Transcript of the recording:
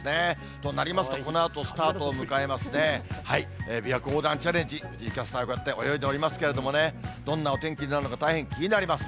となりますと、このあとスタートを迎えますね、びわ湖横断チャレンジ、藤井キャスター、こうやって泳いでおりますね、どんなお天気になるのか、大変気になります。